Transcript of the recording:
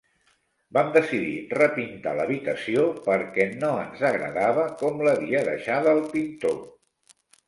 Vam decidir repintar l'habitació perquè no ens agradava com l'havia deixada el pintor.